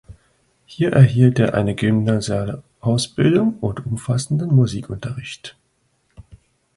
Hier erhielt er eine gymnasiale Ausbildung und umfassenden Musikunterricht.